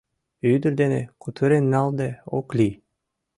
Ӱдыр дене кутырен налде ок лий.